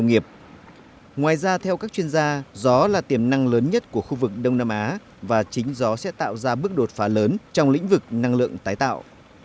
ngoài ra theo các chuyên gia gió là tiềm năng lớn nhất của khu vực đông nam á và chính gió sẽ tạo ra bước đột phá lớn trong lĩnh vực năng lượng tái tạo